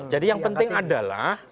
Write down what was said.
jadi yang penting adalah